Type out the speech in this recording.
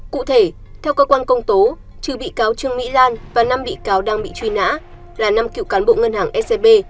cụ thể theo cơ quan công tố trừ bị cáo trương mỹ lan và năm bị cáo đang bị truy nã là năm cựu cán bộ ngân hàng scb